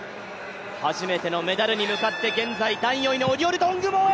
初めてのメダルに向かって現在第４位のオリオル・ドングモ。